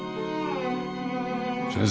先生。